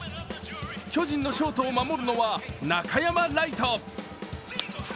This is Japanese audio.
巨人のショートを守るのは中山礼都。